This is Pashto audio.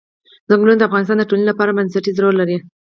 ځنګلونه د افغانستان د ټولنې لپاره بنسټيز رول لري.